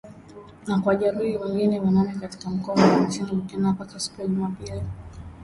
na kuwajeruhi wengine wanane katika mkoa wa nchini Burkina Faso siku ya Jumapili